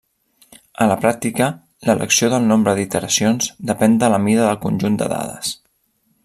A la pràctica, l'elecció del nombre d'iteracions depèn de la mida del conjunt de dades.